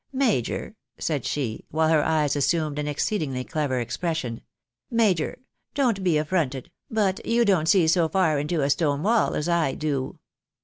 " Major," said she, while her eyes assumed an exceedingly clever expression, " major !— don't be affronted— but you don't see so far into a stone wall as I do."